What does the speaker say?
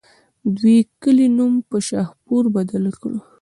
د دې کلي نوم پۀ شاهپور بدل کړو